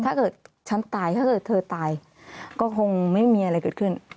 ถ้าเกิดฉันตายก็คงไม่มีอะไรเกิดขึ้น